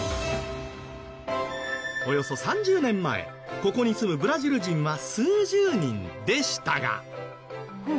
およそ３０年前ここに住むブラジル人は数十人でしたが。